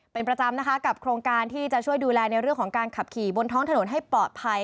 เป็นประจำนะคะกับโครงการที่จะช่วยดูแลในเรื่องของการขับขี่บนท้องถนนให้ปลอดภัย